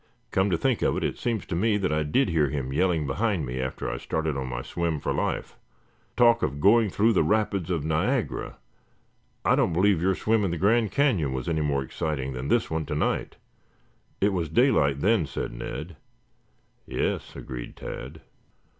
Come to think of it, it seems to me that I did hear him yelling behind me after I started on my swim for life. Talk of going through the Rapids of Niagara! I don't believe your swim in the Grand Canyon was any more exciting than this one tonight. It was daylight then," said Ned. "Yes," agreed Tad.